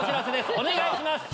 お願いします。